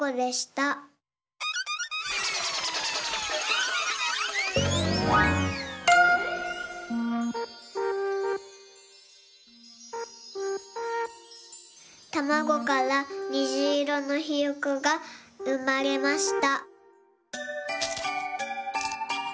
たまごからにじいろのひよこがうまれました。